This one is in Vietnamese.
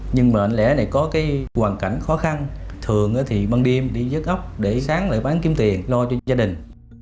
nhưng mà anh lẻ này có cái hoàn cảnh khó khăn thường thì ban đêm đi dứt ốc để sáng lại bán kiếm tiền lo cho gia đình